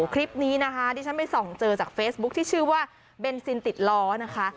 คลิปนี้นะคะที่ฉันไปส่องเจอจากเฟซบุ๊คที่ชื่อว่าเบนซินติดล้อนะคะ